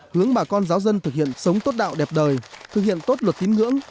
hướng bà con giáo dân thực hiện sống tốt đạo đẹp đời thực hiện tốt luật tín ngưỡng